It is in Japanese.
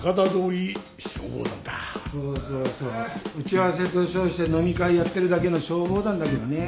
そうそうそう打ち合わせと称して飲み会やってるだけの消防団だけどね。